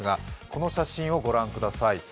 この写真をご覧ください。